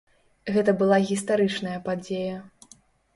Гэта была гістарычная падзея.